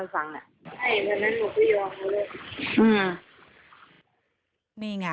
ที่อ๊อฟวัย๒๓ปี